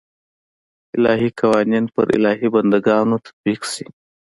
الهي قوانین پر الهي بنده ګانو تطبیق شي.